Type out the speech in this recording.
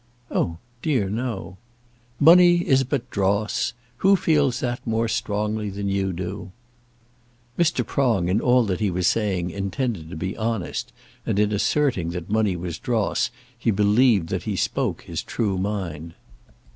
"Oh, dear no." "Money is but dross. Who feels that more strongly than you do?" Mr. Prong in all that he was saying intended to be honest, and in asserting that money was dross, he believed that he spoke his true mind.